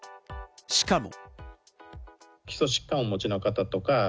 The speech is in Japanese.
しかも。